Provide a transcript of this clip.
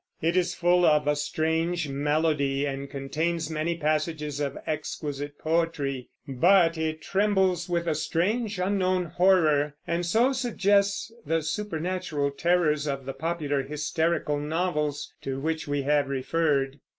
It is full of a strange melody, and contains many passages of exquisite poetry; but it trembles with a strange, unknown horror, and so suggests the supernatural terrors of the popular hysterical novels, to which we have referred.